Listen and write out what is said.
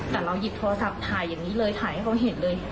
แต่เราหยิบโทรศัพท์ถ่ายอย่างนี้เลยถ่ายให้เขาเห็นเลย